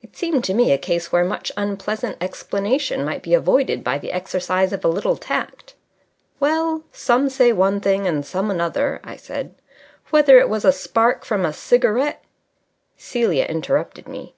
It seemed to me a case where much unpleasant explanation might be avoided by the exercise of a little tact. "Well, some say one thing and some another," I said. "Whether it was a spark from a cigarette " Celia interrupted me.